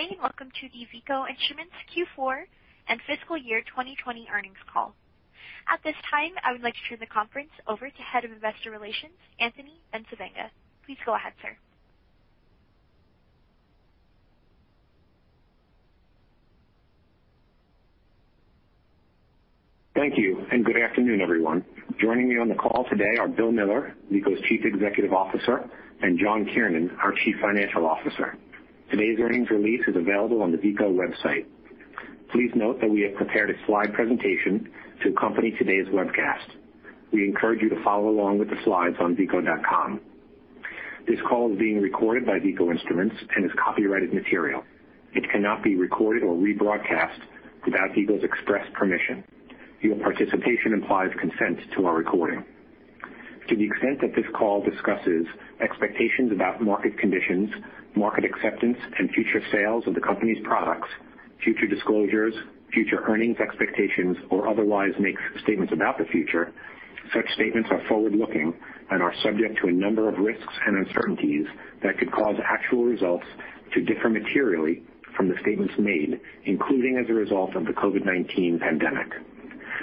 Good day. Welcome to the Veeco Instruments Q4 and fiscal year 2020 earnings call. At this time, I would like to turn the conference over to Head of Investor Relations, Anthony Bencivenga. Please go ahead, sir. Thank you, and good afternoon, everyone. Joining me on the call today are William J. Miller, Veeco's Chief Executive Officer, and John P. Kiernan, our Chief Financial Officer. Today's earnings release is available on the Veeco website. Please note that we have prepared a slide presentation to accompany today's webcast. We encourage you to follow along with the slides on veeco.com. This call is being recorded by Veeco Instruments and is copyrighted material. It cannot be recorded or rebroadcast without Veeco's express permission. Your participation implies consent to our recording. To the extent that this call discusses expectations about market conditions, market acceptance, and future sales of the company's products, future disclosures, future earnings expectations, or otherwise makes statements about the future, such statements are forward-looking and are subject to a number of risks and uncertainties that could cause actual results to differ materially from the statements made, including as a result of the COVID-19 pandemic.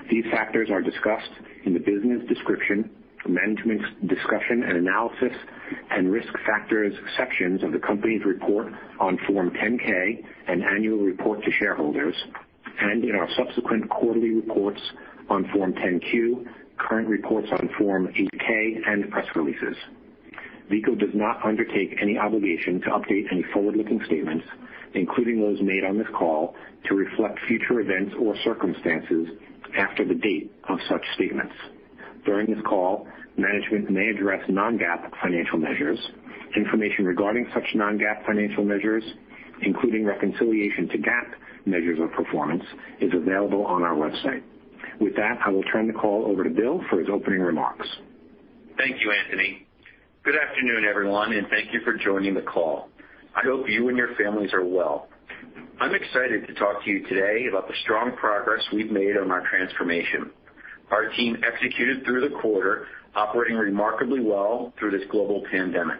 These factors are discussed in the Business Description, Management's Discussion and Analysis, and Risk Factors sections of the company's report on Form 10-K and annual report to shareholders, and in our subsequent quarterly reports on Form 10-Q, current reports on Form 8-K, and press releases. Veeco Instruments does not undertake any obligation to update any forward-looking statements, including those made on this call, to reflect future events or circumstances after the date of such statements. During this call, management may address non-GAAP financial measures. Information regarding such non-GAAP financial measures, including reconciliation to GAAP measures of performance, is available on our website. With that, I will turn the call over to Bill for his opening remarks. Thank you, Anthony. Good afternoon, everyone, and thank you for joining the call. I hope you and your families are well. I'm excited to talk to you today about the strong progress we've made on our transformation. Our team executed through the quarter, operating remarkably well through this global pandemic.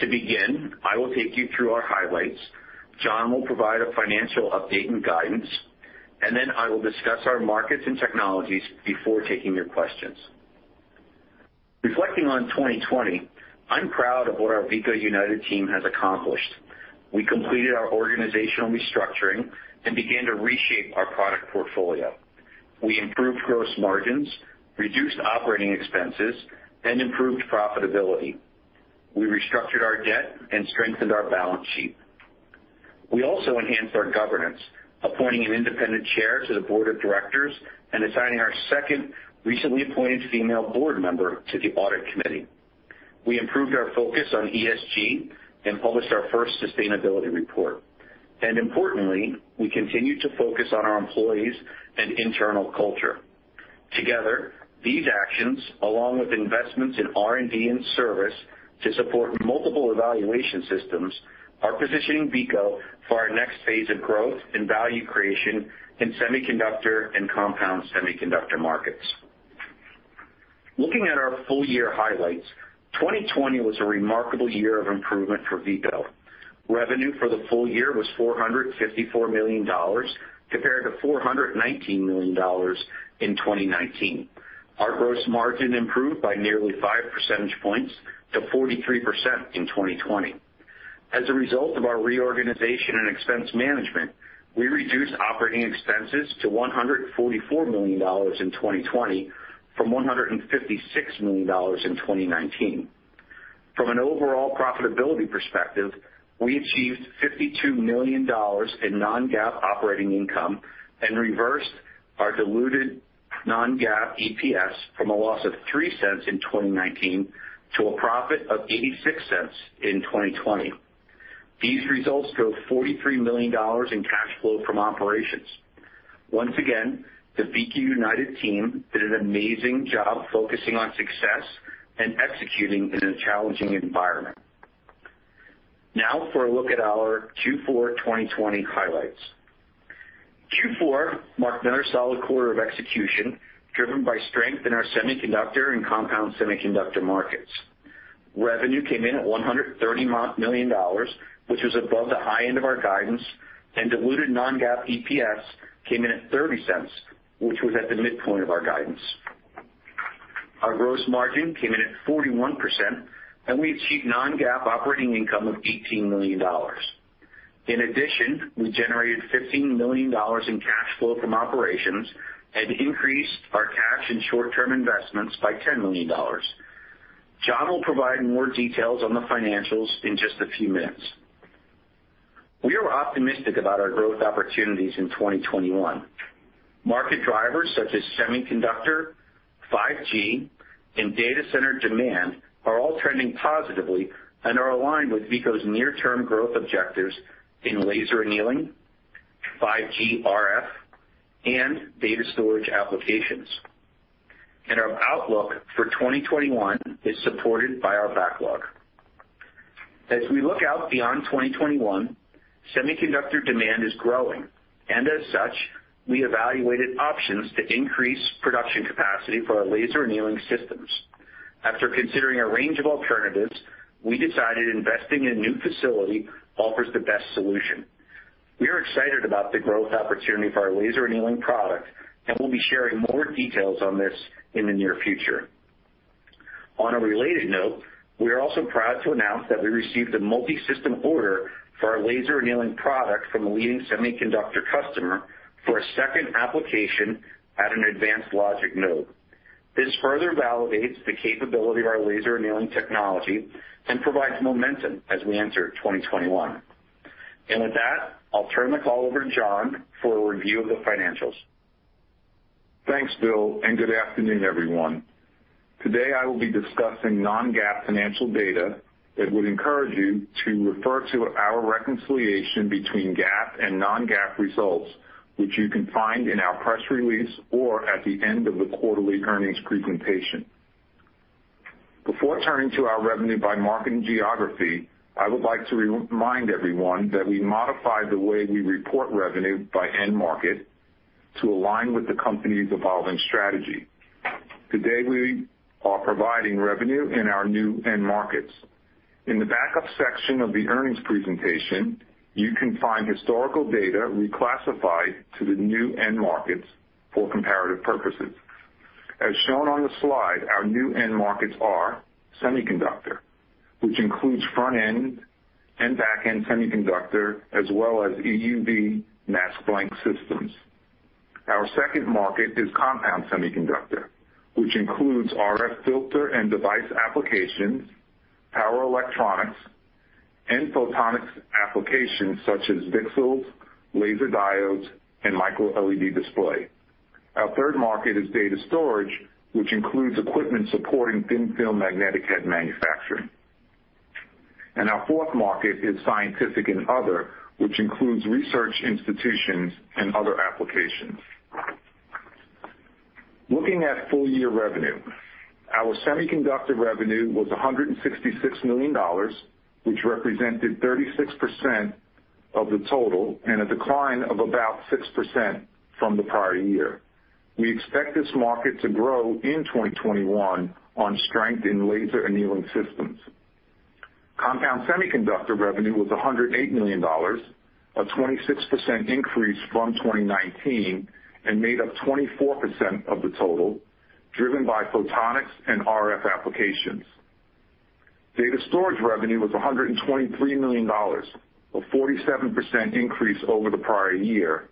To begin, I will take you through our highlights, John will provide a financial update and guidance, and then I will discuss our markets and technologies before taking your questions. Reflecting on 2020, I'm proud of what our Veeco United team has accomplished. We completed our organizational restructuring and began to reshape our product portfolio. We improved gross margins, reduced operating expenses, and improved profitability. We restructured our debt and strengthened our balance sheet. We also enhanced our governance, appointing an independent chair to the board of directors and assigning our second recently appointed female board member to the audit committee. We improved our focus on ESG and published our first sustainability report. Importantly, we continued to focus on our employees and internal culture. Together, these actions, along with investments in R&D and service to support multiple evaluation systems, are positioning Veeco Instruments for our next phase of growth and value creation in semiconductor and compound semiconductor markets. Looking at our full-year highlights, 2020 was a remarkable year of improvement for Veeco Instruments. Revenue for the full year was $454 million, compared to $419 million in 2019. Our gross margin improved by nearly 5 percentage points to 43% in 2020. As a result of our reorganization and expense management, we reduced operating expenses to $144 million in 2020 from $156 million in 2019. From an overall profitability perspective, we achieved $52 million in non-GAAP operating income and reversed our diluted non-GAAP EPS from a loss of $0.03 in 2019 to a profit of $0.86 in 2020. These results drove $43 million in cash flow from operations. Once again, the Veeco United team did an amazing job focusing on success and executing in a challenging environment. Now for a look at our Q4 2020 highlights. Q4 marked another solid quarter of execution, driven by strength in our semiconductor and compound semiconductor markets. Revenue came in at $130 million, which was above the high end of our guidance, and diluted non-GAAP EPS came in at $0.30, which was at the midpoint of our guidance. Our gross margin came in at 41%, and we achieved non-GAAP operating income of $18 million. In addition, we generated $15 million in cash flow from operations and increased our cash and short-term investments by $10 million. John will provide more details on the financials in just a few minutes. We are optimistic about our growth opportunities in 2021. Market drivers such as semiconductor, 5G, and data center demand are all trending positively and are aligned with Veeco's near-term growth objectives in laser annealing, 5G RF, and data storage applications. Our outlook for 2021 is supported by our backlog. As we look out beyond 2021, semiconductor demand is growing, and as such, we evaluated options to increase production capacity for our laser annealing systems. After considering a range of alternatives, we decided investing in a new facility offers the best solution. We are excited about the growth opportunity for our laser annealing product, and we'll be sharing more details on this in the near future. On a related note, we are also proud to announce that we received a multi-system order for our laser annealing product from a leading semiconductor customer for a second application at an advanced logic node. This further validates the capability of our laser annealing technology and provides momentum as we enter 2021. With that, I'll turn the call over to John for a review of the financials. Thanks, Bill, and good afternoon, everyone. Today I will be discussing non-GAAP financial data that would encourage you to refer to our reconciliation between GAAP and non-GAAP results, which you can find in our press release or at the end of the quarterly earnings presentation. Before turning to our revenue by marketing geography, I would like to remind everyone that we modified the way we report revenue by end market to align with the company's evolving strategy. Today, we are providing revenue in our new end markets. In the backup section of the earnings presentation, you can find historical data reclassified to the new end markets for comparative purposes. As shown on the slide, our new end markets are semiconductor, which includes front-end and back-end semiconductor, as well as EUV mask blank systems. Our second market is compound semiconductor, which includes RF filter and device applications, power electronics, and photonics applications such as VCSELs, laser diodes, and microLED display. Our third market is data storage, which includes equipment supporting thin film magnetic head manufacturing. Our fourth market is scientific and other, which includes research institutions and other applications. Looking at full-year revenue, our semiconductor revenue was $166 million, which represented 36% of the total and a decline of about 6% from the prior year. We expect this market to grow in 2021 on strength in laser annealing systems. Compound semiconductor revenue was $108 million, a 26% increase from 2019, and made up 24% of the total, driven by photonics and RF applications. Data storage revenue was $123 million, a 47% increase over the prior year,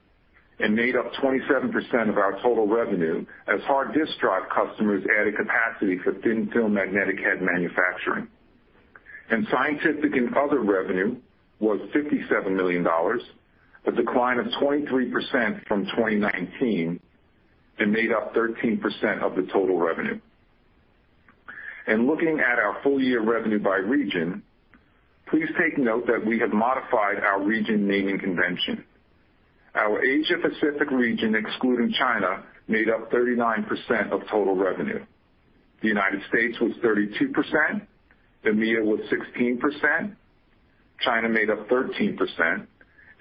and made up 27% of our total revenue as hard disk drive customers added capacity for thin film magnetic head manufacturing. Scientific and other revenue was $57 million, a decline of 23% from 2019, and made up 13% of the total revenue. Looking at our full year revenue by region, please take note that we have modified our region naming convention. Our Asia Pacific region, excluding China, made up 39% of total revenue. The United States was 32%, EMEA was 16%, China made up 13%,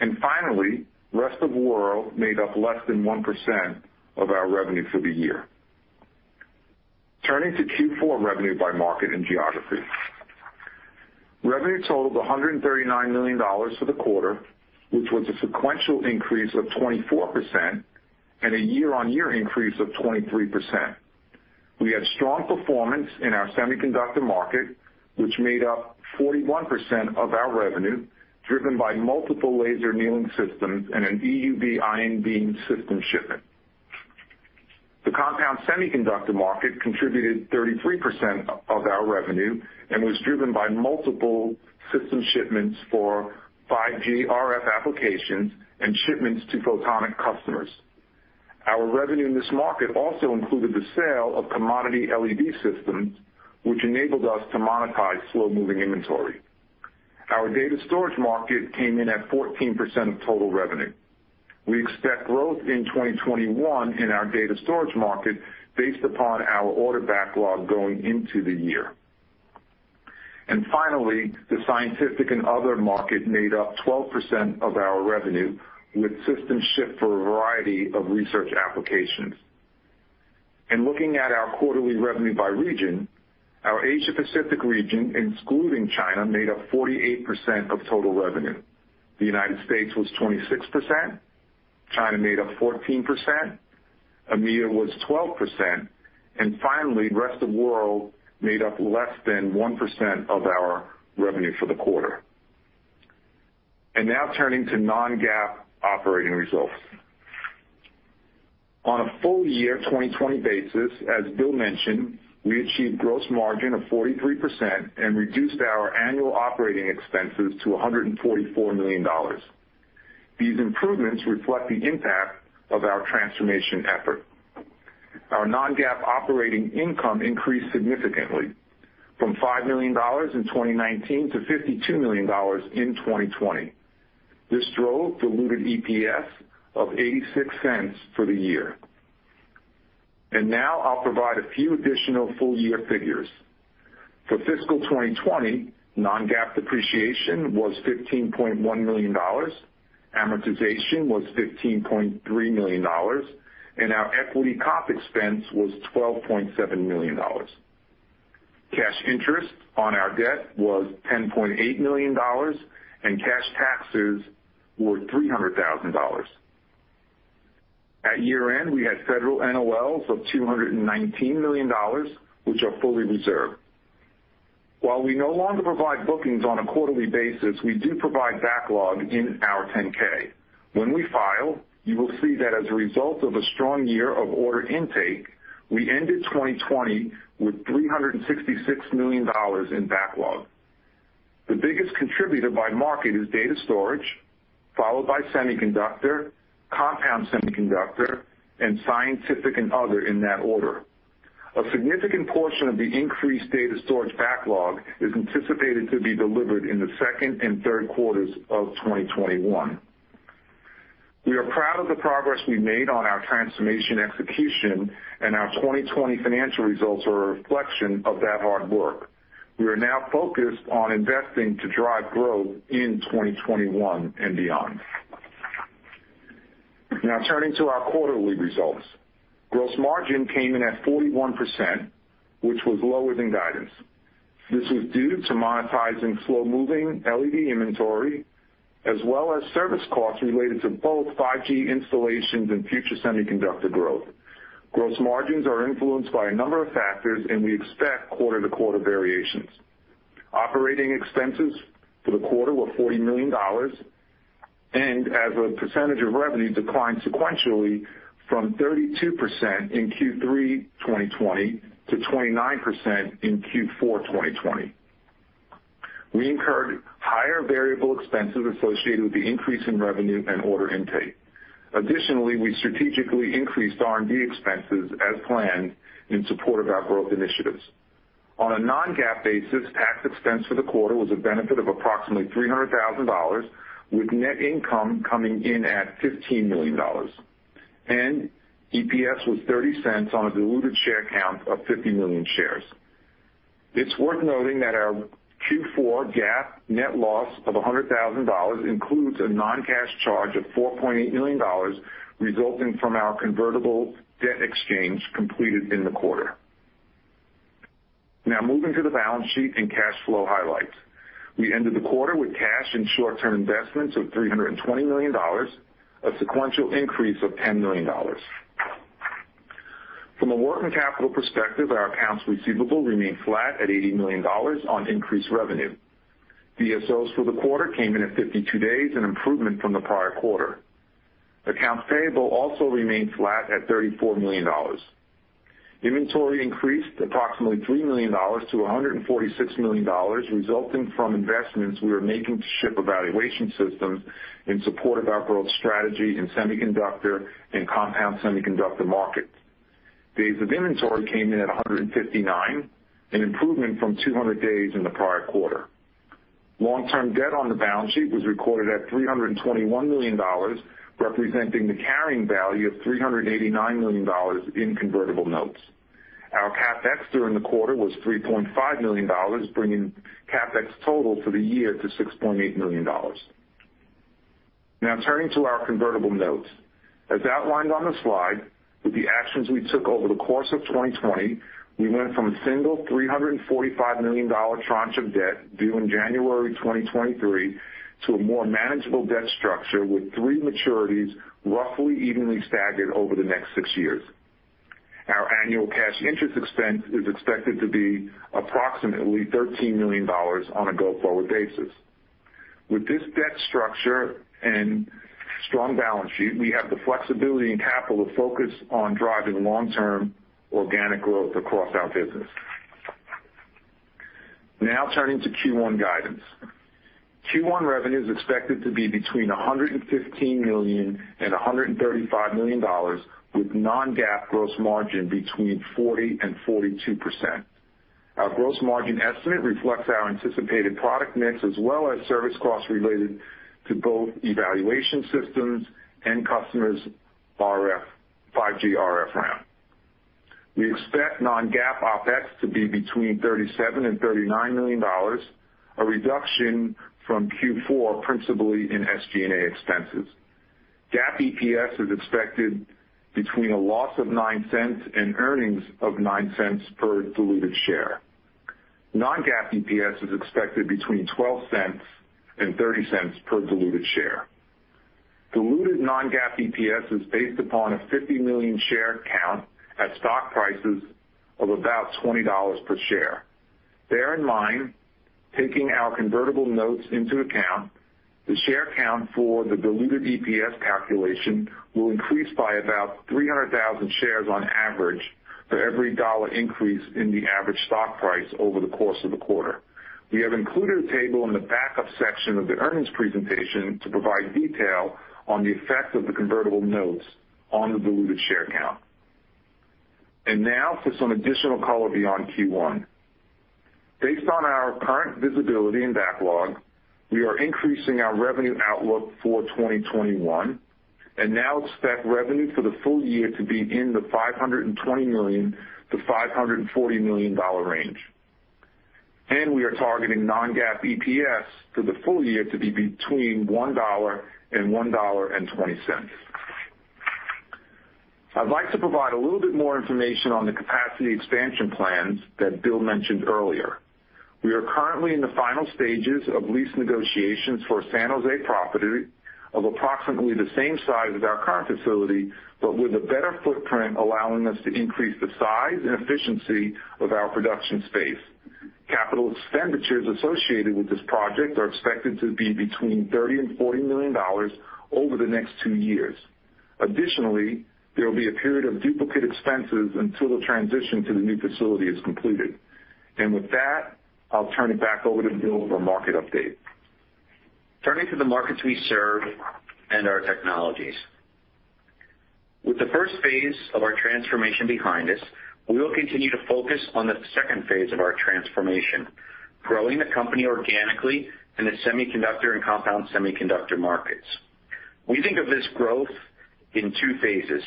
and finally, rest of world made up less than 1% of our revenue for the year. Turning to Q4 revenue by market and geography. Revenue totaled $139 million for the quarter, which was a sequential increase of 24% and a year-on-year increase of 23%. We had strong performance in our semiconductor market, which made up 41% of our revenue, driven by multiple laser annealing systems and an EUV ion beam system shipment. The compound semiconductor market contributed 33% of our revenue and was driven by multiple system shipments for 5G RF applications and shipments to photonic customers. Our revenue in this market also included the sale of commodity LED systems, which enabled us to monetize slow-moving inventory. Our data storage market came in at 14% of total revenue. We expect growth in 2021 in our data storage market based upon our order backlog going into the year. Finally, the scientific and other market made up 12% of our revenue, with systems shipped for a variety of research applications. Looking at our quarterly revenue by region, our Asia Pacific region, excluding China, made up 48% of total revenue. The U.S. was 26%, China made up 14%, EMEA was 12%, and finally, rest of world made up less than 1% of our revenue for the quarter. Now turning to non-GAAP operating results. On a full-year 2020 basis, as Bill mentioned, we achieved gross margin of 43% and reduced our annual operating expenses to $144 million. These improvements reflect the impact of our transformation effort. Our non-GAAP operating income increased significantly from $5 million in 2019 to $52 million in 2020. This drove diluted EPS of $0.86 for the year. Now I'll provide a few additional full-year figures. For fiscal 2020, non-GAAP depreciation was $15.1 million, amortization was $15.3 million, and our equity comp expense was $12.7 million. Cash interest on our debt was $10.8 million, and cash taxes were $300,000. At year-end, we had federal NOLs of $219 million, which are fully reserved. While we no longer provide bookings on a quarterly basis, we do provide backlog in our 10-K. When we file, you will see that as a result of a strong year of order intake, we ended 2020 with $366 million in backlog. The biggest contributor by market is data storage, followed by semiconductor, compound semiconductor, and scientific and other, in that order. A significant portion of the increased data storage backlog is anticipated to be delivered in the second and third quarters of 2021. We are proud of the progress we made on our transformation execution, and our 2020 financial results are a reflection of that hard work. We are now focused on investing to drive growth in 2021 and beyond. Now turning to our quarterly results. Gross margin came in at 41%, which was lower than guidance. This was due to monetizing slow-moving LED inventory, as well as service costs related to both 5G installations and future semiconductor growth. Gross margins are influenced by a number of factors. We expect quarter-to-quarter variations. Operating expenses for the quarter were $40 million, and as a percentage of revenue declined sequentially from 32% in Q3 2020 to 29% in Q4 2020. We incurred higher variable expenses associated with the increase in revenue and order intake. Additionally, we strategically increased R&D expenses as planned in support of our growth initiatives. On a non-GAAP basis, tax expense for the quarter was a benefit of approximately $300,000, with net income coming in at $15 million. EPS was $0.30 on a diluted share count of 50 million shares. It's worth noting that our Q4 GAAP net loss of $100,000 includes a non-cash charge of $4.8 million resulting from our convertible debt exchange completed in the quarter. Moving to the balance sheet and cash flow highlights. We ended the quarter with cash and short-term investments of $320 million, a sequential increase of $10 million. From a working capital perspective, our accounts receivable remained flat at $80 million on increased revenue. DSOs for the quarter came in at 52 days, an improvement from the prior quarter. Accounts payable also remained flat at $34 million. Inventory increased approximately $3 million to $146 million, resulting from investments we are making to ship evaluation systems in support of our growth strategy in semiconductor and compound semiconductor markets. Days of inventory came in at 159, an improvement from 200 days in the prior quarter. Long-term debt on the balance sheet was recorded at $321 million, representing the carrying value of $389 million in convertible notes. Our CapEx during the quarter was $3.5 million, bringing CapEx total for the year to $6.8 million. Turning to our convertible notes. As outlined on the slide, with the actions we took over the course of 2020, we went from a single $345 million tranche of debt due in January 2023 to a more manageable debt structure with three maturities roughly evenly staggered over the next six years. Our annual cash interest expense is expected to be approximately $13 million on a go-forward basis. With this debt structure and strong balance sheet, we have the flexibility and capital to focus on driving long-term organic growth across our business. Turning to Q1 guidance. Q1 revenue is expected to be between $115 million and $135 million, with non-GAAP gross margin between 40% and 42%. Our gross margin estimate reflects our anticipated product mix as well as service costs related to both evaluation systems and customers' 5G RF ramp. We expect non-GAAP OpEx to be between $37 million and $39 million, a reduction from Q4 principally in SG&A expenses. GAAP EPS is expected between a loss of $0.09 and earnings of $0.09 per diluted share. Non-GAAP EPS is expected between $0.12 and $0.30 per diluted share. Diluted non-GAAP EPS is based upon a 50 million share count at stock prices of about $20 per share. Bear in mind, taking our convertible notes into account, the share count for the diluted EPS calculation will increase by about 300,000 shares on average for every $1 increase in the average stock price over the course of the quarter. We have included a table in the backup section of the earnings presentation to provide detail on the effect of the convertible notes on the diluted share count. Now for some additional color beyond Q1. Based on our current visibility and backlog, we are increasing our revenue outlook for 2021. Now expect revenue for the full year to be in the $520 million-$540 million range. We are targeting non-GAAP EPS for the full year to be between $1 and $1.20. I'd like to provide a little bit more information on the capacity expansion plans that Bill mentioned earlier. We are currently in the final stages of lease negotiations for a San Jose property of approximately the same size as our current facility, but with a better footprint, allowing us to increase the size and efficiency of our production space. Capital expenditures associated with this project are expected to be between $30 million and $40 million over the next two years. Additionally, there will be a period of duplicate expenses until the transition to the new facility is completed. With that, I'll turn it back over to Bill for market update. Turning to the markets we serve and our technologies. With the first phase of our transformation behind us, we will continue to focus on the second phase of our transformation, growing the company organically in the semiconductor and compound semiconductor markets. We think of this growth in two phases,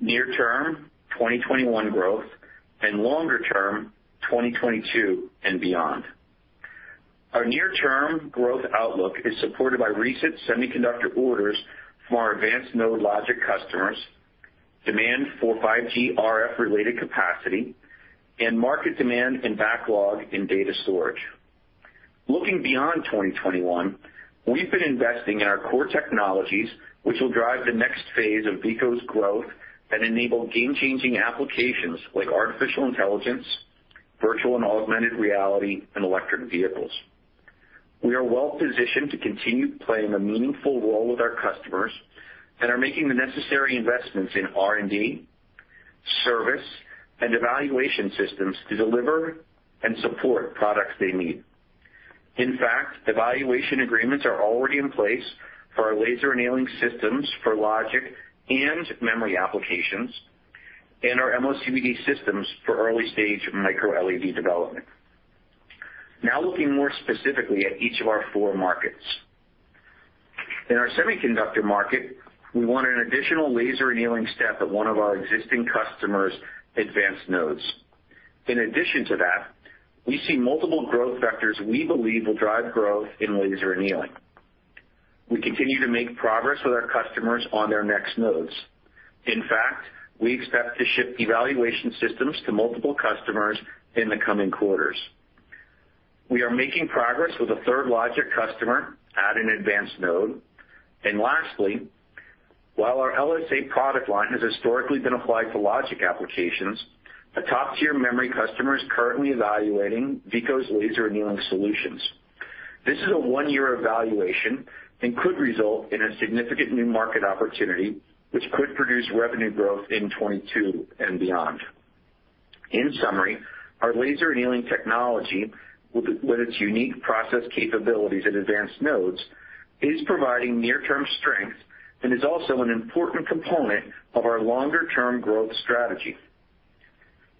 near term, 2021 growth, and longer term, 2022 and beyond. Our near term growth outlook is supported by recent semiconductor orders for our advanced node logic customers, demand for 5G RF related capacity, and market demand and backlog in data storage. Looking beyond 2021, we've been investing in our core technologies, which will drive the next phase of Veeco's growth and enable game-changing applications like artificial intelligence, virtual and augmented reality, and electric vehicles. We are well-positioned to continue playing a meaningful role with our customers, and are making the necessary investments in R&D, service, and evaluation systems to deliver and support products they need. In fact, evaluation agreements are already in place for our laser annealing systems for logic and memory applications, and our MOCVD systems for early-stage microLED development. Now, looking more specifically at each of our four markets. In our semiconductor market, we won an additional laser annealing step at one of our existing customers' advanced nodes. In addition to that, we see multiple growth vectors we believe will drive growth in laser annealing. We continue to make progress with our customers on their next nodes. In fact, we expect to ship evaluation systems to multiple customers in the coming quarters. We are making progress with a third logic customer at an advanced node. Lastly, while our LSA product line has historically been applied to logic applications, a top-tier memory customer is currently evaluating Veeco's laser annealing solutions. This is a one-year evaluation and could result in a significant new market opportunity, which could produce revenue growth in 2022 and beyond. In summary, our laser annealing technology, with its unique process capabilities at advanced nodes, is providing near-term strength and is also an important component of our longer-term growth strategy.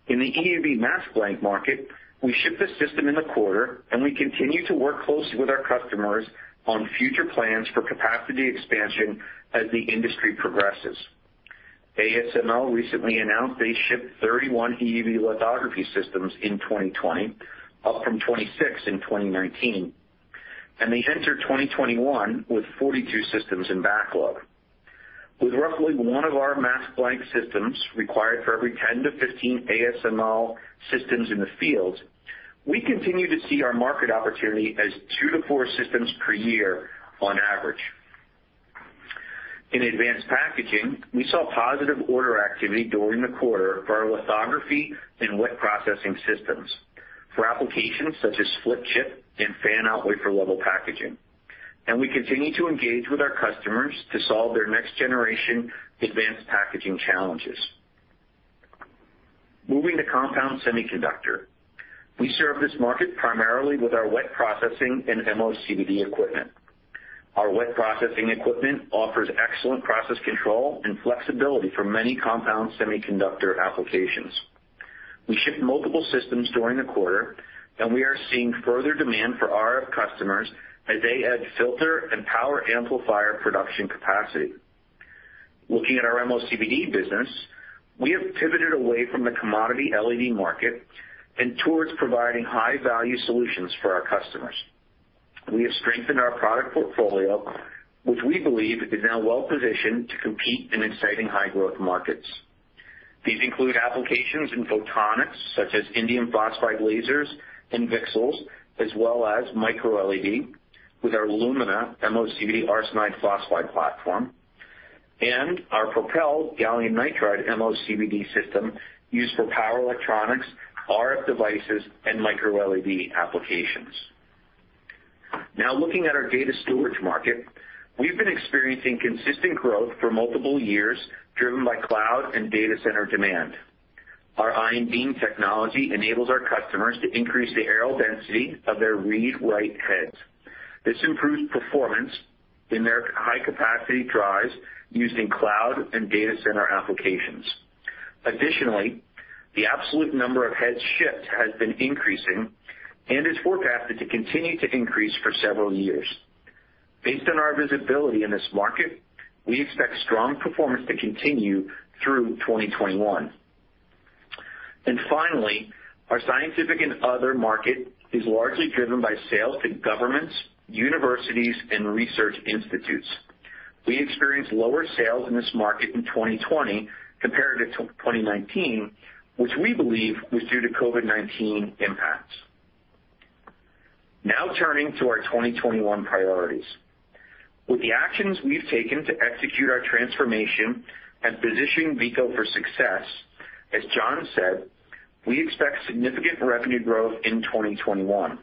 In the EUV mask blank market, we shipped a system in the quarter, and we continue to work closely with our customers on future plans for capacity expansion as the industry progresses. ASML recently announced they shipped 31 EUV lithography systems in 2020, up from 26 in 2019. They entered 2021 with 42 systems in backlog. With roughly one of our mask blank systems required for every 10-15 ASML systems in the field, we continue to see our market opportunity as two to four systems per year on average. In advanced packaging, we saw positive order activity during the quarter for our lithography and wet processing systems for applications such as flip chip and fan-out wafer level packaging. We continue to engage with our customers to solve their next-generation advanced packaging challenges. Moving to compound semiconductor. We serve this market primarily with our wet processing and MOCVD equipment. Our wet processing equipment offers excellent process control and flexibility for many compound semiconductor applications. We shipped multiple systems during the quarter, and we are seeing further demand for RF customers as they add filter and power amplifier production capacity. Looking at our MOCVD business, we have pivoted away from the commodity LED market and towards providing high-value solutions for our customers. We have strengthened our product portfolio, which we believe is now well-positioned to compete in exciting high-growth markets. These include applications in photonics, such as indium phosphide lasers and VCSELs, as well as microLED with our Lumina MOCVD arsenide phosphide platform, and our Propel gallium nitride MOCVD system used for power electronics, RF devices, and microLED applications. Looking at our data storage market. We've been experiencing consistent growth for multiple years, driven by cloud and data center demand. Our ion beam technology enables our customers to increase the areal density of their read/write heads. This improves performance in their high-capacity drives used in cloud and data center applications. Additionally, the absolute number of head shipments has been increasing and is forecasted to continue to increase for several years. Based on our visibility in this market, we expect strong performance to continue through 2021. Finally, our scientific and other market is largely driven by sales to governments, universities, and research institutes. We experienced lower sales in this market in 2020 compared to 2019, which we believe was due to COVID-19 impacts. Now turning to our 2021 priorities. With the actions we've taken to execute our transformation and position Veeco Instruments for success, as John said, we expect significant revenue growth in 2021.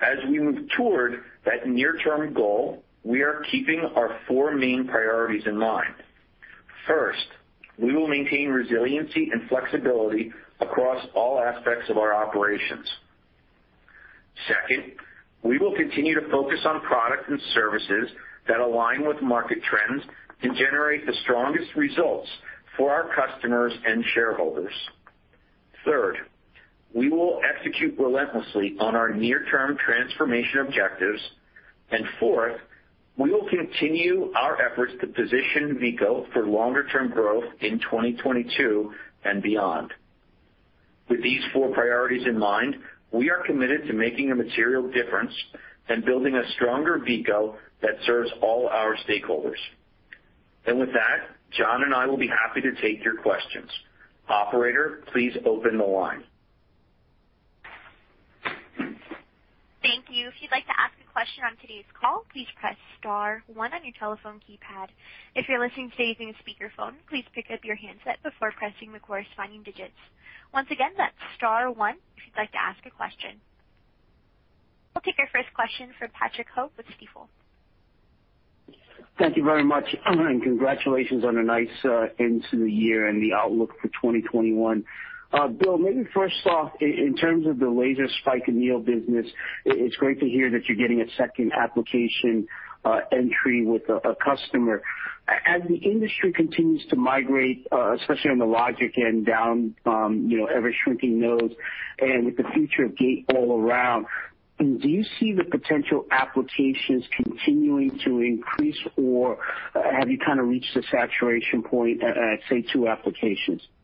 As we move toward that near-term goal, we are keeping our four main priorities in mind. First, we will maintain resiliency and flexibility across all aspects of our operations. Second, we will continue to focus on products and services that align with market trends and generate the strongest results for our customers and shareholders. Third, we will execute relentlessly on our near-term transformation objectives. Fourth, we will continue our efforts to position Veeco Instruments for longer-term growth in 2022 and beyond. With these four priorities in mind, we are committed to making a material difference and building a stronger Veeco Instruments that serves all our stakeholders. With that, John and I will be happy to take your questions. Operator, please open the line. Thank you. If you'd like to ask a question on today's call, please press star one on your telephone keypad. If you're listening in today with a speakerphone, please pick up your handset before pressing the corresponding digits. Once again, that's star one. If you'd like to ask a question. We'll take our first question from Patrick Ho with Stifel. Thank you very much. Congratulations on a nice end to the year and the outlook for 2021. Bill, maybe first off, in terms of the laser spike anneal business, it's great to hear that you're getting a second application entry with a customer. As the industry continues to migrate, especially on the logic end down, ever-shrinking nodes, and with the future of gate all around, do you see the potential applications continuing to increase, or have you kind of reached the saturation point at, say, two applications? Yeah.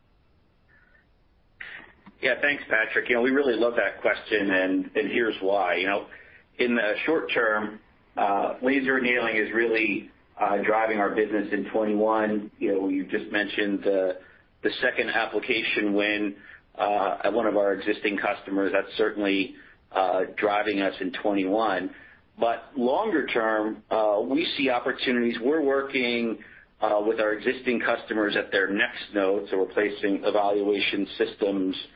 Thanks, Patrick. We really love that question, and here's why. In the short term, laser annealing is really driving our business in 2021. You just mentioned the second application win at one of our existing customers. That's certainly driving us in 2021. Longer term, we see opportunities. We're working with our existing customers at their next node, we're placing evaluation systems there.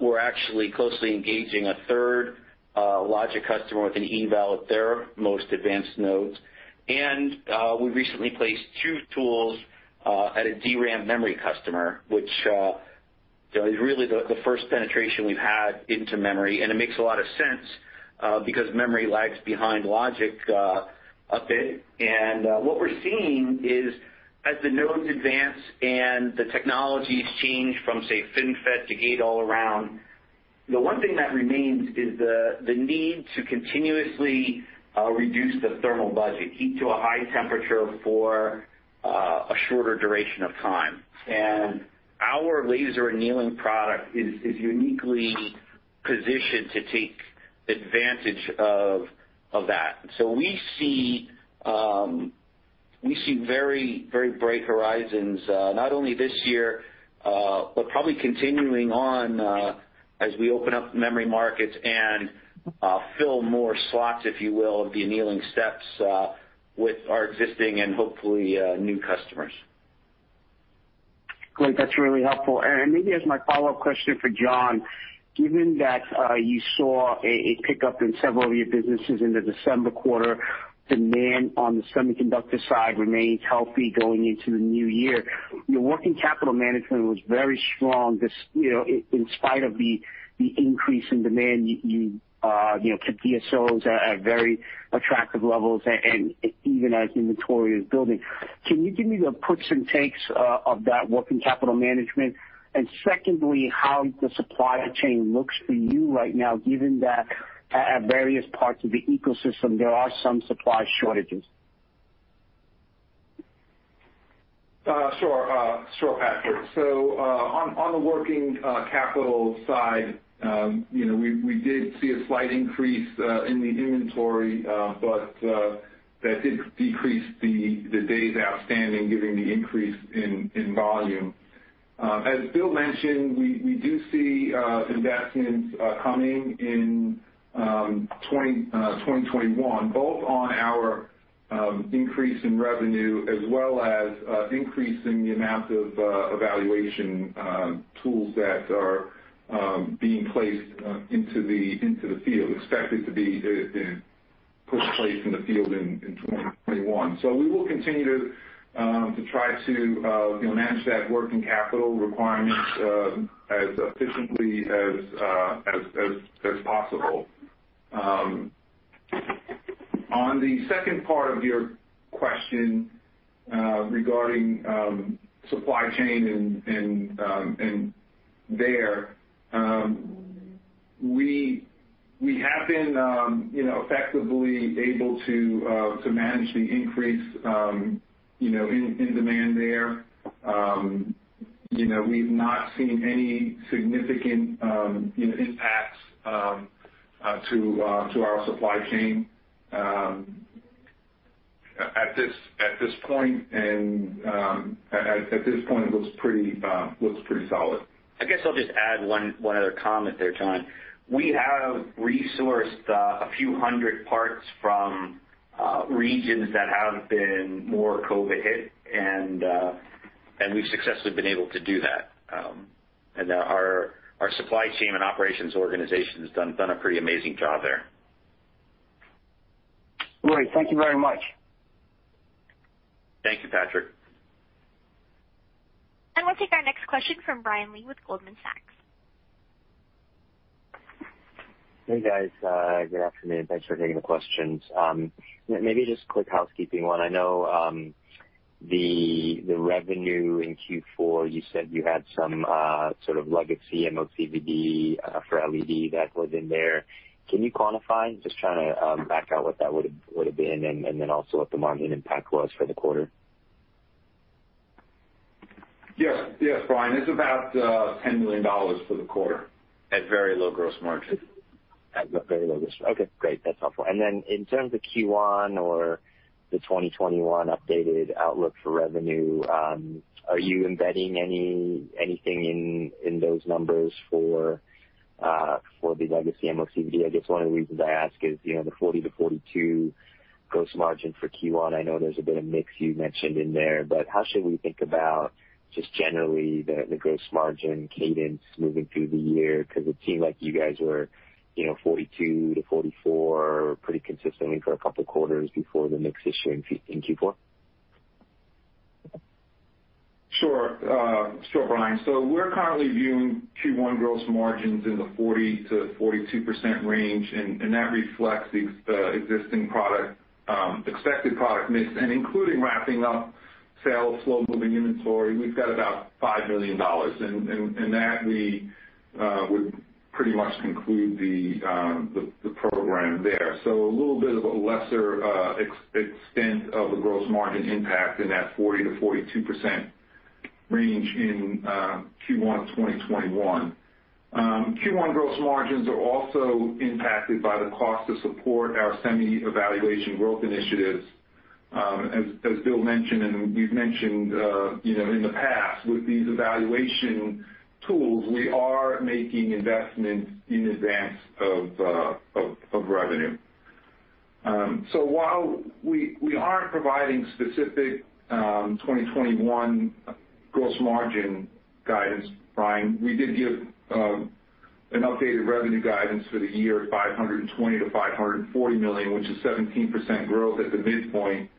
We're actually closely engaging a third logic customer with an eval at their most advanced nodes. We recently placed two tools at a DRAM memory customer, which is really the first penetration we've had into memory, and it makes a lot of sense, because memory lags behind logic a bit. What we're seeing is as the nodes advance and the technologies change from, say, FinFET to gate all around, the one thing that remains is the need to continuously reduce the thermal budget, heat to a high temperature for a shorter duration of time. Our laser annealing product is uniquely positioned to take advantage of that. We see very bright horizons, not only this year, but probably continuing on as we open up memory markets and fill more slots, if you will, of the annealing steps with our existing and hopefully new customers. Great. That's really helpful. Maybe as my follow-up question for John, given that you saw a pickup in several of your businesses in the December quarter, demand on the semiconductor side remains healthy going into the new year. Your working capital management was very strong in spite of the increase in demand. Your DSOs is at very attractive levels, and even as inventory is building. Can you give me the puts and takes of that working capital management? Secondly, how the supply chain looks for you right now, given that at various parts of the ecosystem, there are some supply shortages. Sure, Patrick. On the working capital side, we did see a slight increase in the inventory, but that did decrease the days outstanding given the increase in volume. As Bill mentioned, we do see investments coming in 2021, both on our increase in revenue as well as increasing the amount of evaluation tools that are being placed into the field, expected to be put in place in the field in 2021. We will continue to try to manage that working capital requirement as efficiently as possible. On the second part of your question regarding supply chain and there, we have been effectively able to manage the increase in demand there. We've not seen any significant impacts to our supply chain at this point, it looks pretty solid. I guess I'll just add one other comment there, John. We have resourced a few hundred parts from regions that have been more COVID hit, and we've successfully been able to do that. Our supply chain and operations organization has done a pretty amazing job there. Great. Thank you very much. Thank you, Patrick. We'll take our next question from Brian Lee with Goldman Sachs. Hey, guys. Good afternoon. Thanks for taking the questions. Maybe just a quick housekeeping one. I know the revenue in Q4, you said you had some sort of legacy MOCVD for microLED that was in there. Can you quantify? Just trying to back out what that would've been, and then also what the margin impact was for the quarter. Yes, Brian. It's about $10 million for the quarter. At very low gross margin. At very low gross. Okay, great. That's helpful. In terms of Q1 or the 2021 updated outlook for revenue, are you embedding anything in those numbers for the legacy MOCVD? I guess one of the reasons I ask is, the 40%-42% gross margin for Q1, I know there's a bit of mix you mentioned in there, but how should we think about just generally the gross margin cadence moving through the year? It seemed like you guys were 42%-44% pretty consistently for a couple of quarters before the mix issue in Q4. Sure, Brian. We're currently viewing Q1 gross margins in the 40%-42% range, and that reflects the expected product mix and including wrapping up sales, slow-moving inventory, we've got $5 million. That we would pretty much conclude the program there. A little bit of a lesser extent of the gross margin impact in that 40%-42% range in Q1 2021. Q1 gross margins are also impacted by the cost to support our semi evaluation growth initiatives. As Bill mentioned and we've mentioned in the past, with these evaluation tools, we are making investments in advance of revenue. While we aren't providing specific 2021 gross margin guidance, Brian, we did give an updated revenue guidance for the year of $520 million-$540 million, which is 17% growth at the midpoint,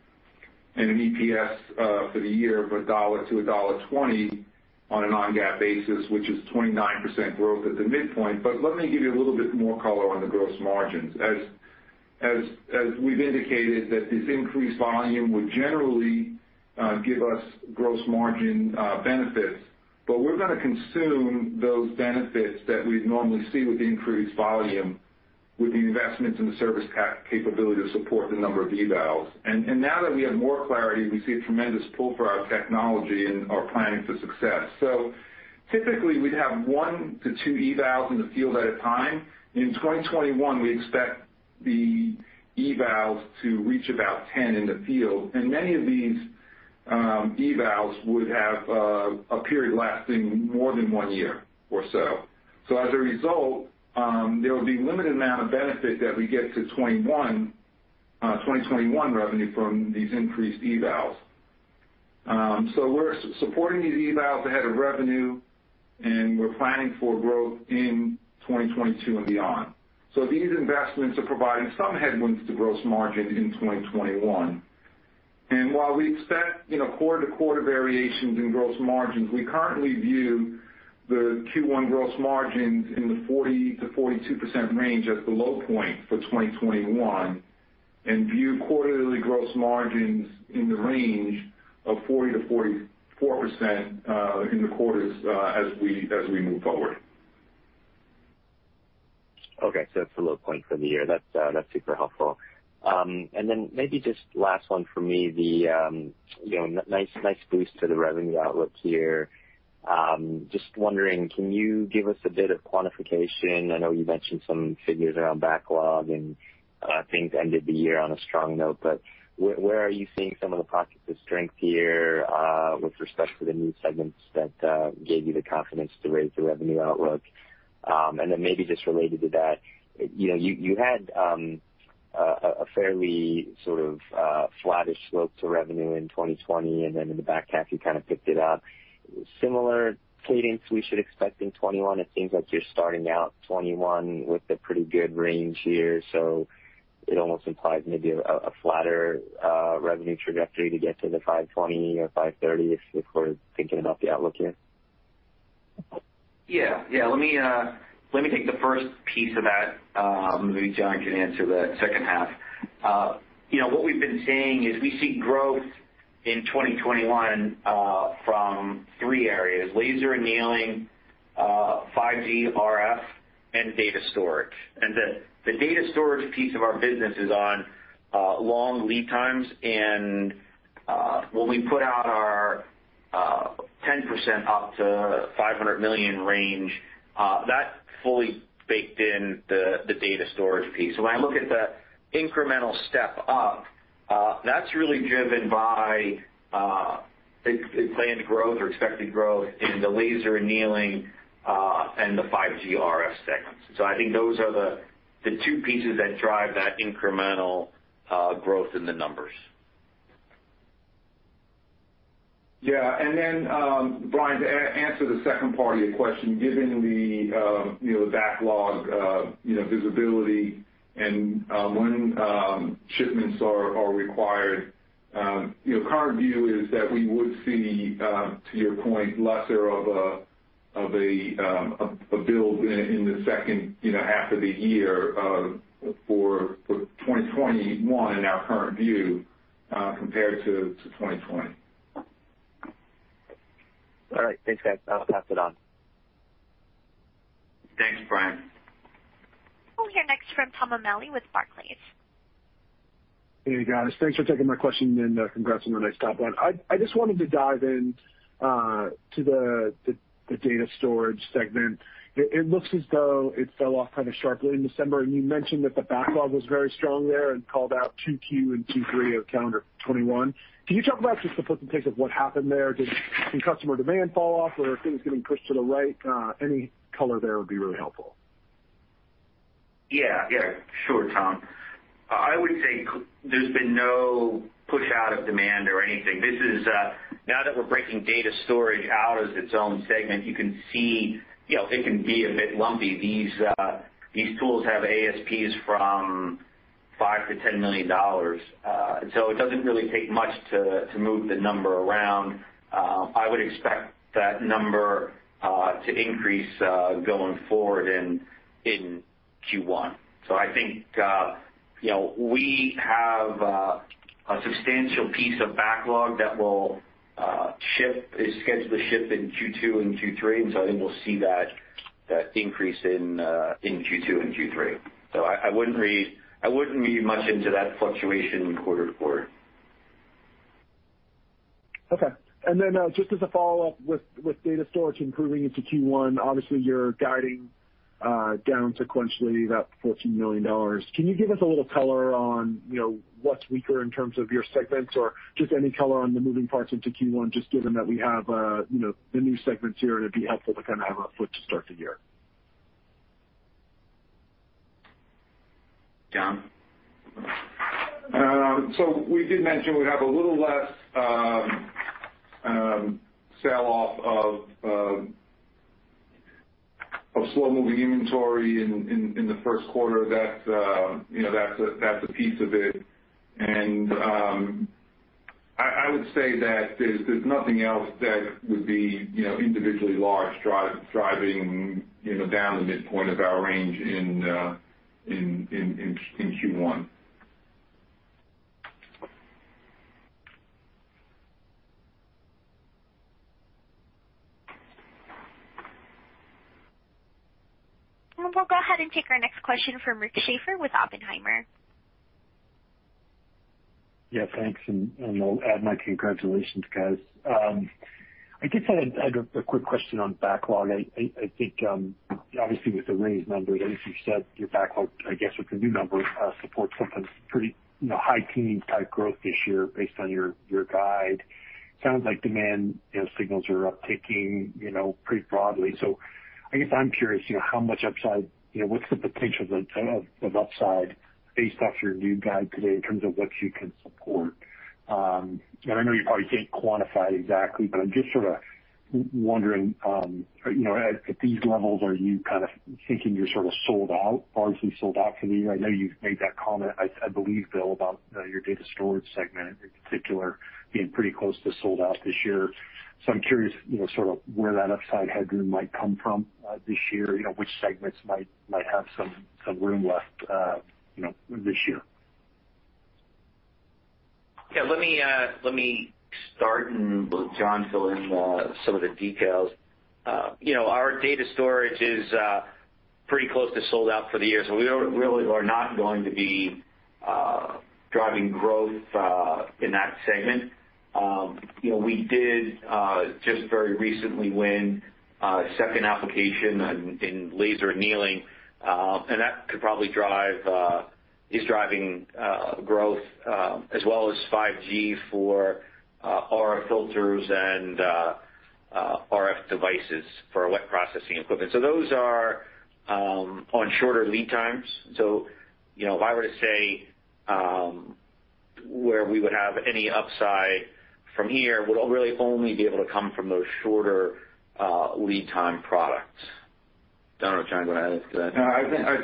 and an EPS for the year of $1-$1.20 on a non-GAAP basis, which is 29% growth at the midpoint. Let me give you a little bit more color on the gross margins. As we've indicated that this increased volume would generally give us gross margin benefits, but we're going to consume those benefits that we'd normally see with the increased volume with the investments in the service capability to support the number of evals. Now that we have more clarity, we see a tremendous pull for our technology and our planning for success. Typically, we'd have one to two evals in the field at a time. In 2021, we expect the evals to reach about 10 in the field, and many of these evals would have a period lasting more than one year or so. As a result, there will be limited amount of benefit that we get to 2021 revenue from these increased evals. We're supporting these evals ahead of revenue, and we're planning for growth in 2022 and beyond. These investments are providing some headwinds to gross margin in 2021. While we expect quarter-to-quarter variations in gross margins, we currently view the Q1 gross margins in the 40%-42% range as the low point for 2021, and view quarterly gross margins in the range of 40%-44% in the quarters as we move forward. Okay, that's the low point for the year. That's super helpful. Maybe just last one from me, the nice boost to the revenue outlook here. Just wondering, can you give us a bit of quantification? I know you mentioned some figures around backlog and things ended the year on a strong note, but where are you seeing some of the pockets of strength here with respect to the new segments that gave you the confidence to raise the revenue outlook? Maybe just related to that, you had a fairly sort of flattish slope to revenue in 2020, and then in the back half, you kind of picked it up. Similar cadence we should expect in 2021? It seems like you're starting out 2021 with a pretty good range here. It almost implies maybe a flatter revenue trajectory to get to the $520 million or $530 million if we're thinking about the outlook here. Yeah. Let me take the first piece of that. Maybe John can answer the second half. What we've been seeing is we see growth in 2021 from three areas, laser annealing, 5G RF, and data storage. The data storage piece of our business is on long lead times. When we put out our 10% up to $500 million range, that fully baked in the data storage piece. When I look at the incremental step up, that's really driven by planned growth or expected growth in the laser annealing, and the 5G RF segments. I think those are the two pieces that drive that incremental growth in the numbers. Yeah. Brian, to answer the second part of your question, given the backlog visibility and when shipments are required, current view is that we would see, to your point, lesser of a build in the second half of the year for 2021 in our current view, compared to 2020. All right. Thanks, guys. I'll pass it on. Thanks, Brian. We'll hear next from Thomas O'Malley with Barclays. Hey, guys. Thanks for taking my question. Congrats on the nice top line. I just wanted to dive in to the data storage segment. It looks as though it fell off kind of sharply in December, and you mentioned that the backlog was very strong there and called out 2Q and Q3 of calendar 2021. Can you talk about just the put and take of what happened there? Did some customer demand fall off, or are things getting pushed to the right? Any color there would be really helpful. Yeah. Sure, Thomas I would say there's been no push out of demand or anything. Now that we're breaking data storage out as its own segment, you can see it can be a bit lumpy. These tools have ASPs from $5 million-$10 million. It doesn't really take much to move the number around. I would expect that number to increase going forward in Q1. I think we have a substantial piece of backlog that is scheduled to ship in Q2 and Q3. I think we'll see that increase in Q2 and Q3. I wouldn't read much into that fluctuation quarter-to-quarter. Okay. Just as a follow-up with data storage improving into Q1, obviously, you're guiding down sequentially about $14 million. Can you give us a little color on what's weaker in terms of your segments, or just any color on the moving parts into Q1, just given that we have the new segments here, and it'd be helpful to kind of have a foot to start the year. John? We did mention we have a little less sell-off of slow-moving inventory in the first quarter. That's a piece of it, and I would say that there's nothing else that would be individually large driving down the midpoint of our range in Q1. We'll go ahead and take our next question from Rick Schafer with Oppenheimer. Thanks, and I'll add my congratulations, guys. I guess I had a quick question on backlog. I think, obviously, with the raised numbers, and as you said, your backlog, I guess, with the new numbers, supports something pretty high teens type growth this year based on your guide. Sounds like demand signals are upticking pretty broadly. I guess I'm curious, what's the potential of upside based off your new guide today in terms of what you can support? I know you probably can't quantify exactly, but I'm just sort of wondering, at these levels, are you kind of thinking you're sort of sold out for the year? I know you've made that comment, I believe, Bill, about your data storage segment in particular being pretty close to sold out this year. I'm curious sort of where that upside headroom might come from this year, which segments might have some room left this year. Yeah. Let me start, and we'll let John fill in some of the details. Our data storage is pretty close to sold out for the year, so we really are not going to be driving growth in that segment. We did just very recently win a second application in laser annealing, and that is driving growth, as well as 5G for RF filters and RF devices for our wet processing equipment. Those are on shorter lead times. If I were to say where we would have any upside from here, would really only be able to come from those shorter lead time products. I don't know if John want to add to that. No, I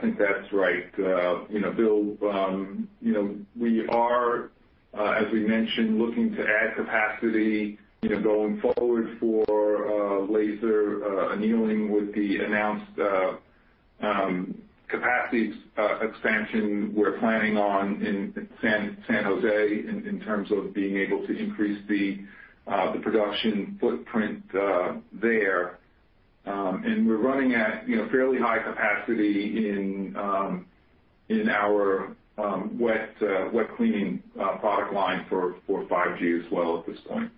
think that's right. Bill, we are, as we mentioned, looking to add capacity, going forward for laser annealing with the announced capacity expansion we're planning on in San Jose in terms of being able to increase the production footprint there. We're running at fairly high capacity in our wet cleaning product line for 5G as well at this point.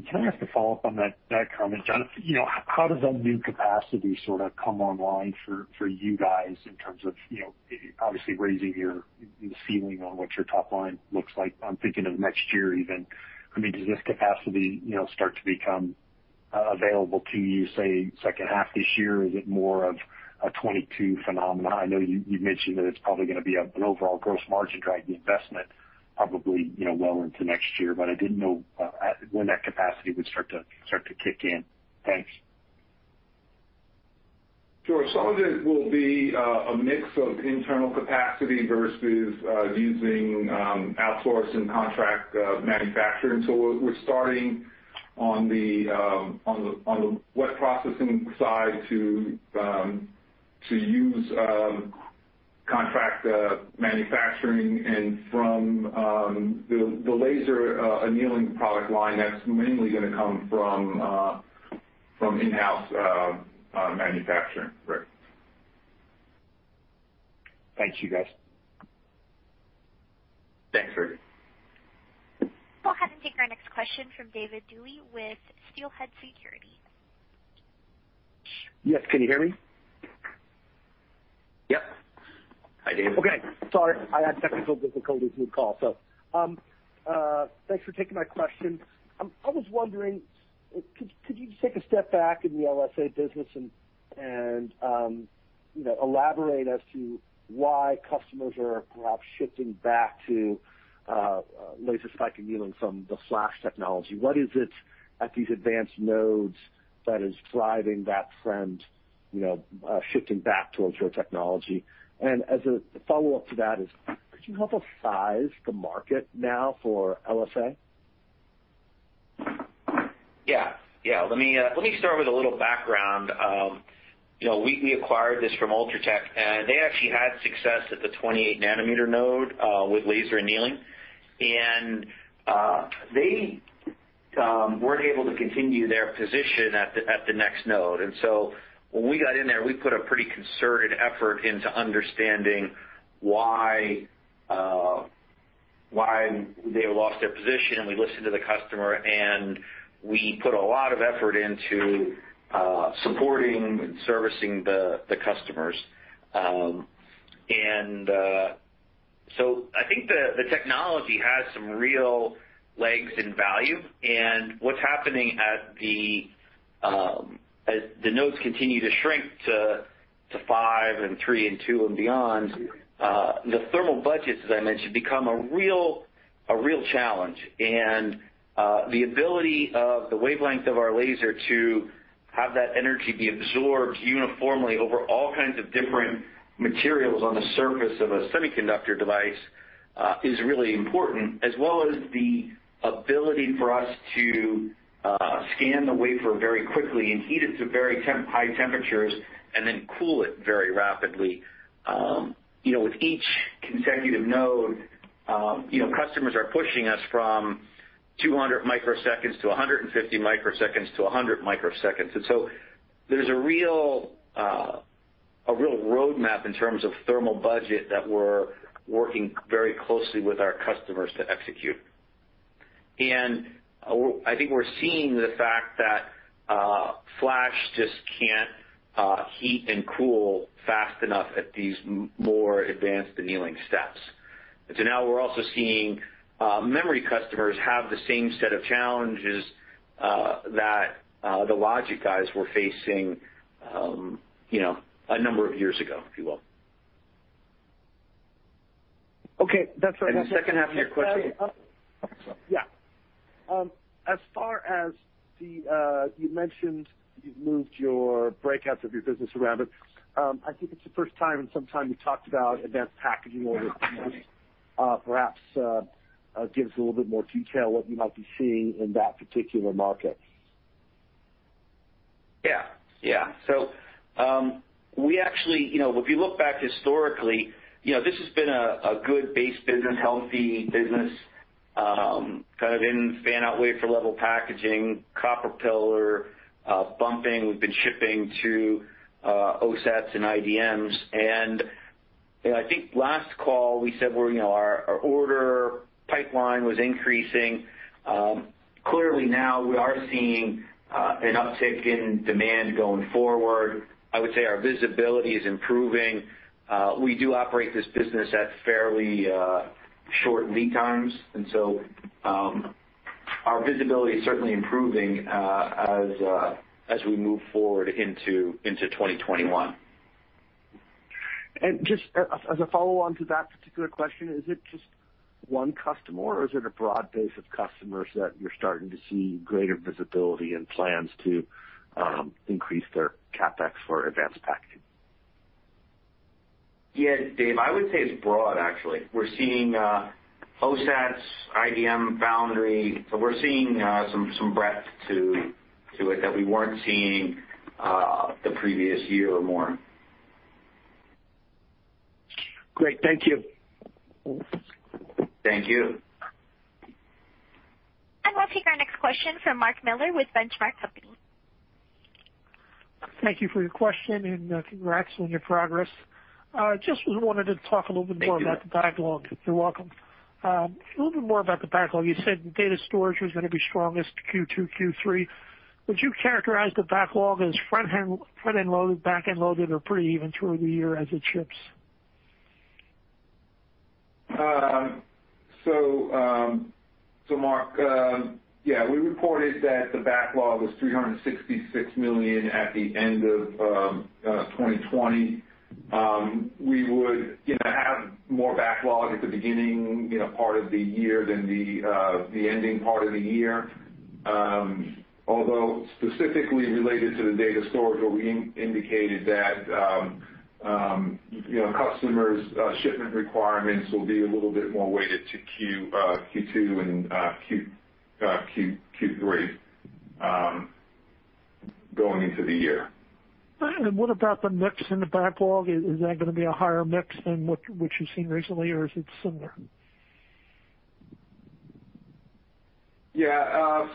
Can I ask a follow-up on that comment, John? How does that new capacity sort of come online for you guys in terms of, obviously raising your ceiling on what your top line looks like? I'm thinking of next year even. I mean, does this capacity start to become available to you, say, second half this year? Is it more of a 2022 phenomenon? I know you've mentioned that it's probably going to be an overall gross margin-driving investment probably well into next year, but I didn't know when that capacity would start to kick in. Thanks. Sure. Some of it will be a mix of internal capacity versus using outsource and contract manufacturing. We're starting on the wet processing side to use contract manufacturing, and from the laser annealing product line, that's mainly going to come from in-house manufacturing. Rick. Thank you, guys. Thanks, Rick. We'll go ahead and take our next question from David Duley with Steelhead Securities. Yes, can you hear me? Yep. Hi, David. Okay. Sorry, I had technical difficulties with the call. Thanks for taking my question. I was wondering, could you just take a step back in the LSA business and elaborate as to why customers are perhaps shifting back to laser (spike) annealing from the flash technology? What is it at these advanced nodes that is driving that trend, shifting back towards your technology? As a follow-up to that is, could you help us size the market now for LSA? Yeah. Let me start with a little background. We acquired this from Ultratech, and they actually had success at the 28-nm node with laser annealing. They weren't able to continue their position at the next node. When we got in there, we put a pretty concerted effort into understanding why they lost their position, and we listened to the customer, and we put a lot of effort into supporting and servicing the customers. I think the technology has some real legs and value, and what's happening as the nodes continue to shrink to five and three and two and beyond, the thermal budgets, as I mentioned, become a real challenge. The ability of the wavelength of our laser to have that energy be absorbed uniformly over all kinds of different materials on the surface of a semiconductor device is really important, as well as the ability for us to scan the wafer very quickly and heat it to very high temperatures and then cool it very rapidly. With each consecutive node, customers are pushing us from 200 microseconds to 150 microseconds to 100 microseconds. There's a real roadmap in terms of thermal budget that we're working very closely with our customers to execute. I think we're seeing the fact that flash just can't heat and cool fast enough at these more advanced annealing steps. Now we're also seeing memory customers have the same set of challenges that the logic guys were facing a number of years ago, if you will. Okay. That's all right. The second half of your question? Yeah. As far as you mentioned, you've moved your breakouts of your business around, but I think it's the first time in some time you talked about advanced packaging orders. Perhaps give us a little bit more detail what you might be seeing in that particular market. Yeah. We actually, if you look back historically, this has been a good base business, healthy business, kind of in fan-out wafer level packaging, copper pillar bumping. We've been shipping to OSATs and IDMs, and I think last call, we said our order pipeline was increasing. Clearly now we are seeing an uptick in demand going forward. I would say our visibility is improving. We do operate this business at fairly short lead times. Our visibility is certainly improving as we move forward into 2021. Just as a follow-on to that particular question, is it just one customer or is it a broad base of customers that you're starting to see greater visibility and plans to increase their CapEx for advanced packaging? Yeah, David, I would say it's broad, actually. We're seeing OSATs, IDM, foundry. We're seeing some breadth to it that we weren't seeing the previous year or more. Great. Thank you. Thank you. We'll take our next question from Mark Miller with Benchmark Company. Thank you for your question, and congrats on your progress. Thank you. Just wanted to talk a little bit more about the backlog. You're welcome. You said data storage was going to be strongest Q2, Q3. Would you characterize the backlog as front-end loaded, back-end loaded, or pretty even through the year as it ships? Mark, yeah, we reported that the backlog was $366 million at the end of 2020. We would have more backlog at the beginning part of the year than the ending part of the year. Specifically related to the data storage, where we indicated that customers' shipment requirements will be a little bit more weighted to Q2 and Q3, going into the year. What about the mix in the backlog? Is that going to be a higher mix than what you've seen recently, or is it similar? Yeah.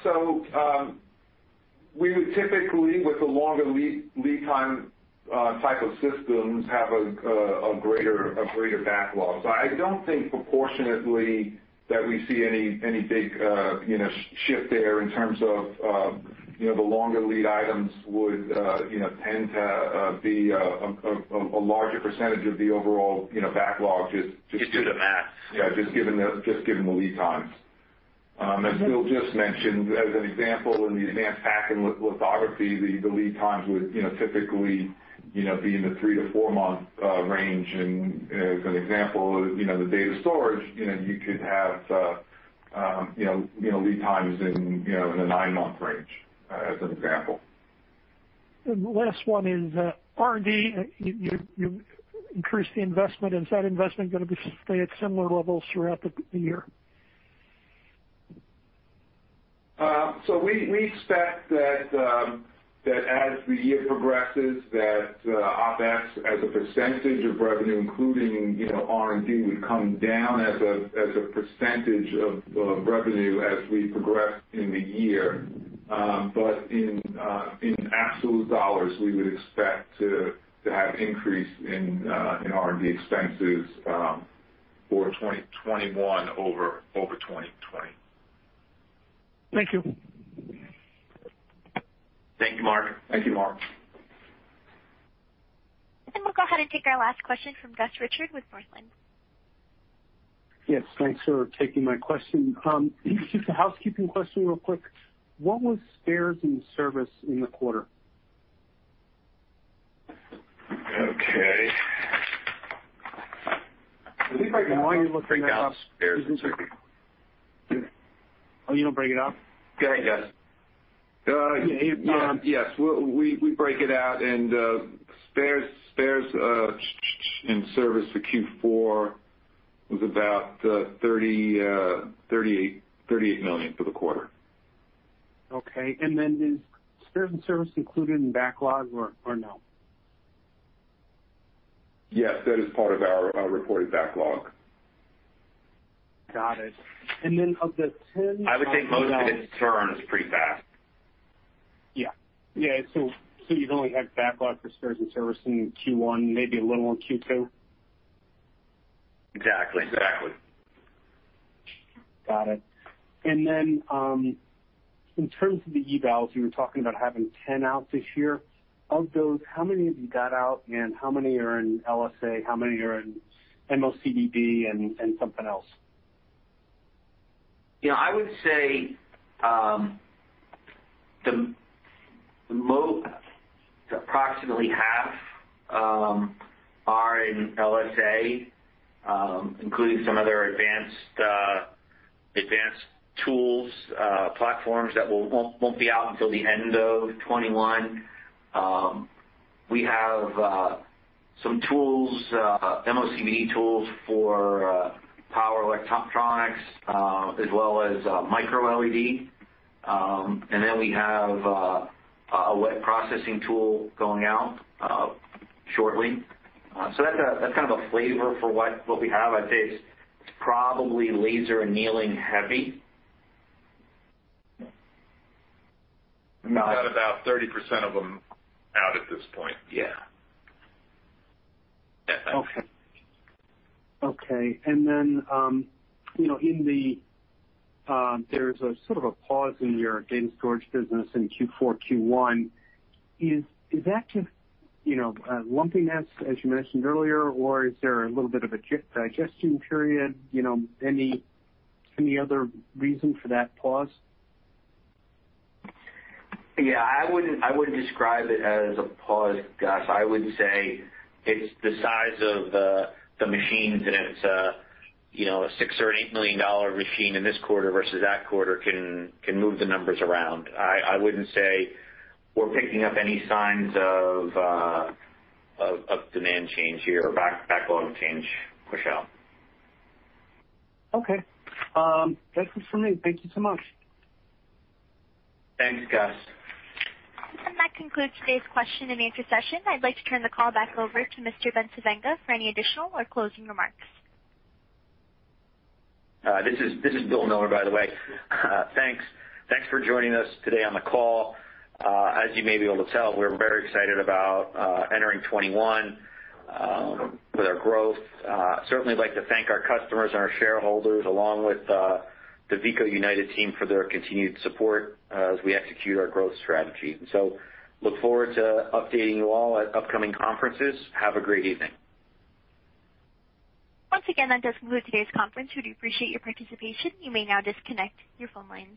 We would typically, with the longer lead time type of systems, have a greater backlog. I don't think proportionately that we see any big shift there in terms of the longer lead items would tend to be a larger percentage of the overall backlog. Just due to math. Yeah, just given the lead times. As Bill just mentioned, as an example, in the advanced packing with lithography, the lead times would typically be in the three- to four-month range. As an example, the data storage, you could have lead times in the nine-month range, as an example. The last one is R&D. You increased the investment. Is that investment going to stay at similar levels throughout the year? We expect that as the year progresses, that OpEx as a percentage of revenue, including R&D, would come down as a percentage of revenue as we progress in the year. In absolute dollars, we would expect to have increase in R&D expenses for 2021 over 2020. Thank you. Thank you, Mark. Thank you, Mark. We'll go ahead and take our last question from Gus Richard with Northland. Yes, thanks for taking my question. Just a housekeeping question real quick. What was spares and service in the quarter? Okay. I think right now I can bring down spares and service. Oh, you don't break it out? Go ahead, Gus. Yes. We break it out, and spares and service for Q4 was about $38 million for the quarter. Okay. Then is spares and service included in backlog or no? Yes, that is part of our reported backlog. Got it. Of the 10- I would think most of it turns pretty fast. Yeah. you'd only have backlog for spares and service in Q1, maybe a little in Q2? Exactly. Exactly. Got it. In terms of the evals, you were talking about having 10 out this year. Of those, how many have you got out, and how many are in LSA? How many are in MOCVD and something else? I would say approximately half are in LSA, including some other advanced tools, platforms that won't be out until the end of 2021. We have some MOCVD tools for power electronics as well as microLED. We have a wet processing tool going out shortly. That's kind of a flavor for what we have. I'd say it's probably laser annealing heavy. We got about 30% of them out at this point. Yeah. Okay. There's a sort of a pause in your data storage business in Q4, Q1. Is that just lumpiness, as you mentioned earlier, or is there a little bit of a digestion period? Any other reason for that pause? Yeah, I wouldn't describe it as a pause, Gus. I would say it's the size of the machines, and it's a $6 million or $8 million machine in this quarter versus that quarter can move the numbers around. I wouldn't say we're picking up any signs of demand change here or backlog change, Gus. Okay. That's it for me. Thank you so much. Thanks, Gus. That concludes today's question and answer session. I'd like to turn the call back over to Mr. Bencivenga for any additional or closing remarks. This is William J. Miller, by the way. Thanks for joining us today on the call. As you may be able to tell, we're very excited about entering 2021 with our growth. Certainly like to thank our customers and our shareholders, along with the Veeco United team for their continued support as we execute our growth strategy. Look forward to updating you all at upcoming conferences. Have a great evening. Once again, that does conclude today's conference. We do appreciate your participation. You may now disconnect your phone lines.